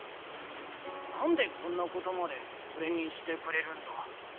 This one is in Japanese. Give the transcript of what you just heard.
何でこんなことまで俺にしてくれるんだ？